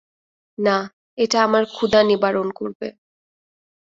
না, এটা আমার ক্ষুধা নিবারণ করবে।